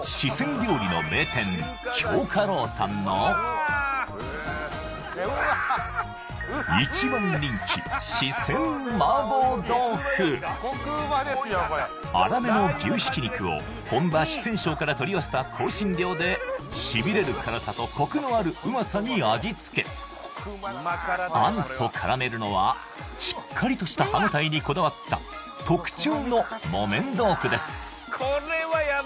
料理の名店京華樓さんの一番人気粗めの牛ひき肉を本場四川省から取り寄せた香辛料でしびれる辛さとコクのある旨さに味付けあんと絡めるのはしっかりとした歯応えにこだわった特注の木綿豆腐です